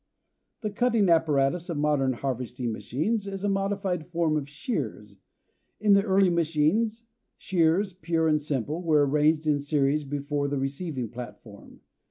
The cutting apparatus of modern harvesting machines is a modified form of shears; in the early machines, shears, pure and simple, were arranged in series before the receiving platform.